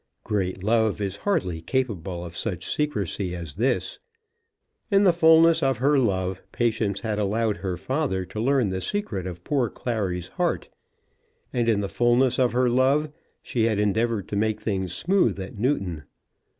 Great love is hardly capable of such secrecy as this. In the fulness of her love Patience had allowed her father to learn the secret of poor Clary's heart; and in the fulness of her love she had endeavoured to make things smooth at Newton.